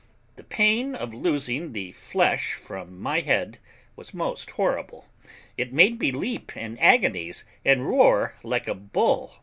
The pain of losing the flesh from my head was most horrible; it made me leap in agonies, and roar like a bull.